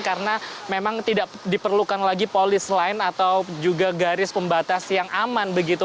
karena memang tidak diperlukan lagi polis lain atau juga garis pembatas yang aman begitu